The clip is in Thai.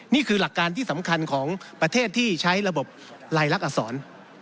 นี่คือหลักการที่สำคัญของประเทศที่ใช้ระบบลายลักษณอักษร